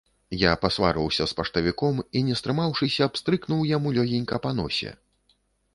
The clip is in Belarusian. Я пасварыўся з паштавіком і, не стрымаўшыся, пстрыкнуў яму лёгенька па носе.